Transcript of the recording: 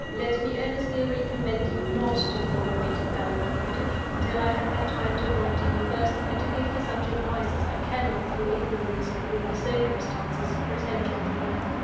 Let me earnestly recommend you not to follow me to Baliol Cottage, until I have had time to write to you first, and to give you such advice as I cannot, through ignorance of all the circumstances, pretend to offer now.